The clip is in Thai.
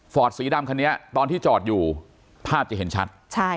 สีดำคันนี้ตอนที่จอดอยู่ภาพจะเห็นชัด